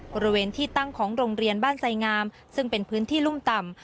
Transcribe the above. บริเวณที่ตั้งของโรงเรียนบ้านไสงามซึ่งเป็นพื้นที่รุ่มต่ำ